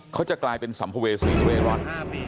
เขาจะกลายเป็นสัมภเวษีเวรอน